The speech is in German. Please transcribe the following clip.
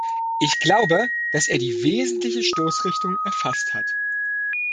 Ich glaube, dass er die wesentliche Stoßrichtung erfasst hat.